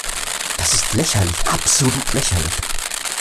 Das ist lächerlich, absolut lächerlich.